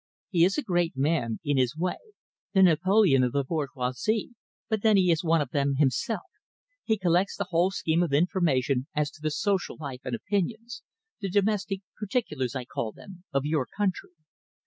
"He is a great man, in his way, the Napoleon of the bourgeoisie, but then he is one of them himself. He collects the whole scheme of information as to the social life and opinions the domestic particulars, I call them of your country.